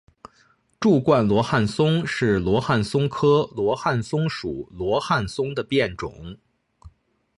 柱冠罗汉松是罗汉松科罗汉松属罗汉松的变种。